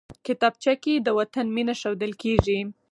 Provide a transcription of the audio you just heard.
کتابچه کې د وطن مینه ښودل کېږي